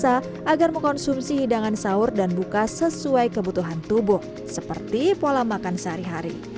pemirsa agar mengkonsumsi hidangan sahur dan buka sesuai kebutuhan tubuh seperti pola makan sehari hari